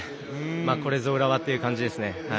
これぞ浦和という感じですね。